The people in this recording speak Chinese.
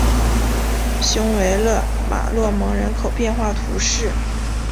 雄维勒马洛蒙人口变化图示